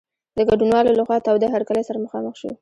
د ګډونوالو له خوا تاوده هرکلی سره مخامخ شو.